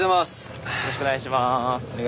よろしくお願いします。